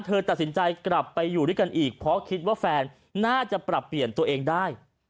เธอตัดสินใจกลับไปอยู่ด้วยกันอีกเพราะคิดว่าแฟนน่าจะปรับเปลี่ยนตัวเองได้